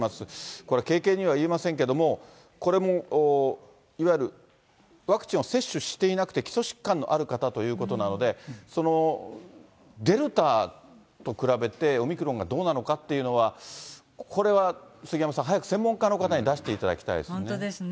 これ、軽々には言えませんけれども、いわゆるワクチンを接種していなくて、基礎疾患のある方ということなので、デルタと比べてオミクロンがどうなのかっていうのは、これは杉山さん、早く専門家の方に出していただきたいですね。